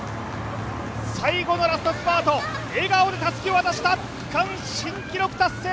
最後のラストスパート、笑顔でたすきを渡した区間新記録達成！